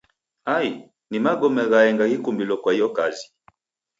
Ai ni magome ghaenga ghikumbilo kwa iyo kazi.